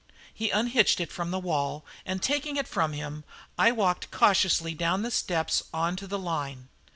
He unhitched it from the wall, and taking it from him, I walked cautiously down the steps on to the line.